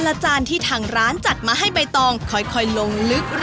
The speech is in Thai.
อร่อยชาติมันเหมือนเป็นกระดูกอ่อน